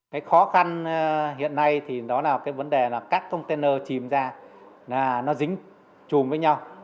cái khó khăn hiện nay thì đó là cái vấn đề là các container chìm ra là nó dính chùm với nhau